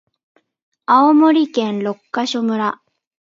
青森県六ヶ所村